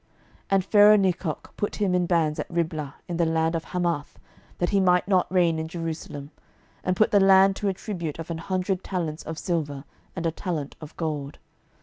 12:023:033 And Pharaohnechoh put him in bands at Riblah in the land of Hamath, that he might not reign in Jerusalem; and put the land to a tribute of an hundred talents of silver, and a talent of gold.